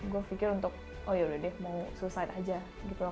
gue pikir untuk oh yaudah deh mau suicide aja gitu loh